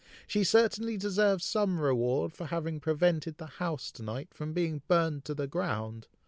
She certainly deserves some reward for having prevented the house to night from being burned to the ground."